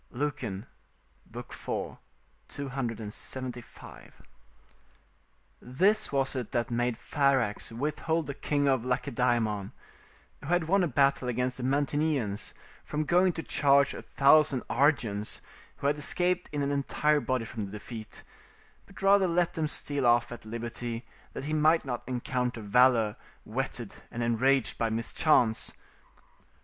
Lucan, iv. 275.] This was it that made Pharax withhold the King of Lacedaemon, who had won a battle against the Mantineans, from going to charge a thousand Argians, who had escaped in an entire body from the defeat, but rather let them steal off at liberty that he might not encounter valour whetted and enraged by mischance.